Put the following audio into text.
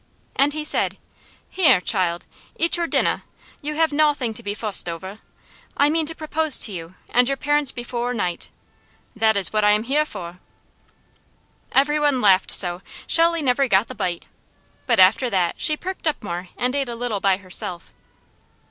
And he said: "Heah child, eat your dinnah! You have nawthing to be fussed ovah! I mean to propose to you, and your parents befowr night. That is what I am heah for." Every one laughed so, Shelley never got the bite; but after that she perked up more and ate a little by herself.